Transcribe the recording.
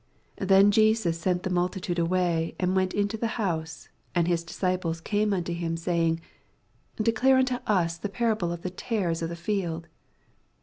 86 Then Jesns sent the maltitud* away, and went into the house : and his disoiples came onto him, saving. Declare unto us the parable of the tares of the field.